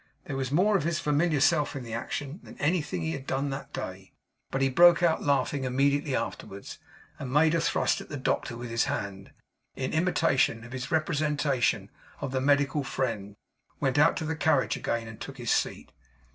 There was more of his familiar self in the action, than in anything he had done that day; but he broke out laughing immediately afterwards, and making a thrust at the doctor with his hand, in imitation of his representation of the medical friend, went out to the carriage again, and took his seat.